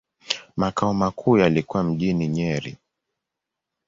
Makao makuu yalikuwa mjini Nyeri.